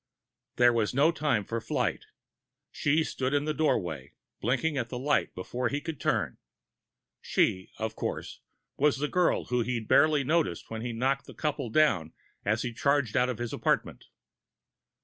There was no time for flight. She stood in the doorway, blinking at the light before he could turn. She, of course, was the girl whom he'd barely noticed when he knocked the couple down as he charged out of his apartment.